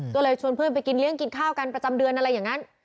ก็เลยชวนเพื่อนไปกินเลี้ยงกินข้าวกันประจำเดือนอะไรอย่างนั้น